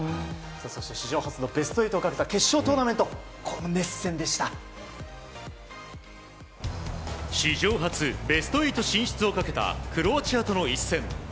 そして史上初のベスト８をかけた決勝トーナメント史上初、ベスト８進出をかけたクロアチアとの一戦。